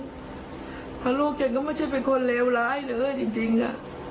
เพราะลูกฉันก็ไม่ใช่เป็นคนเลวร้ายเลยจริง